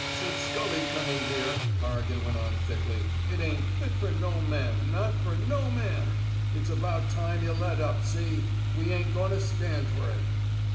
Since Scully come in here," Corrigan went on, thickly, it ain't fit fer no man — not fer no man. It's about time yuh let up, see? We ain't goin' to stan' fer it."